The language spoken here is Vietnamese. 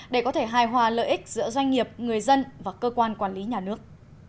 để có thể hài hòa lợi ích giữa doanh nghiệp người dân và cơ quan quản lý nhà nước